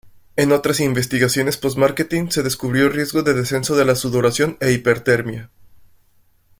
En otras investigaciones post-márketing se descubrió riesgos de descenso de la sudoración e hipertermia.